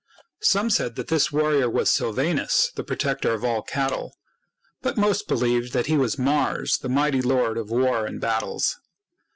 Some said that this warrior was Silvanus, the protector of all cattle ; but most believed that he was Mars, the mighty lord of war and battles.